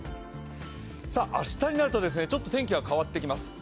明日になると、ちょっと天気が変わってきます。